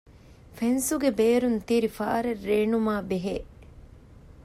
ފެންސުގެ ބޭރުން ތިރި ފާރެއް ރޭނުމާބެހޭ